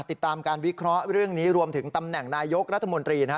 ติดตามการวิเคราะห์เรื่องนี้รวมถึงตำแหน่งนายกรัฐมนตรีนะฮะ